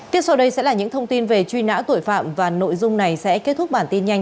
tiếp sau đây sẽ là những thông tin về truy nã tội phạm và nội dung này sẽ kết thúc bản tin nhanh